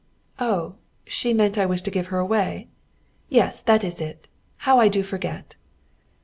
"Oh, she meant I was to give her away?" "Yes, that is it. How I do forget!"